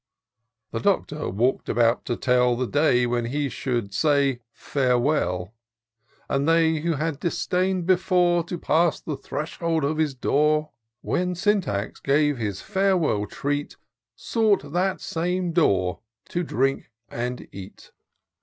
The Doctor walk'd about to tell The day when he should say — farewell ! And they who had disdain'd before To pass the threshold of his door, IN SEARCH OF THE PICTURESQUE. 359 When Syntax gave his farewell treat, Sought that same door, to drink and eat.